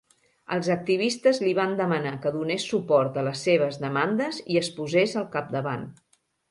Els activistes li van demanar que donés suport a les seves demandes i es posés al capdavant.